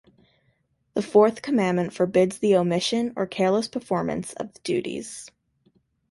The fourth commandment forbids the omission, or careless performance, of the duties